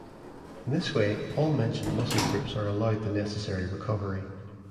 In this way all mentioned muscle groups are allowed the necessary recovery.